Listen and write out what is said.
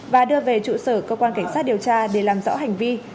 và đưa về trụ sở cơ quan cảnh sát điều tra để làm rõ hành vi